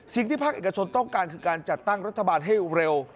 ภาคเอกชนต้องการคือการจัดตั้งรัฐบาลให้เร็ว